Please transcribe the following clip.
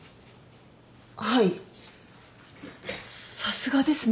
はいさすがですね。